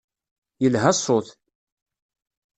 Yelha ṣṣut.